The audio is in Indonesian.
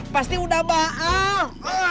pasti udah baah